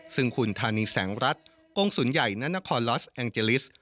ซึ่งคุณธานีแสงรัฐกรงศุนยัยนานคลอสแองเจลิส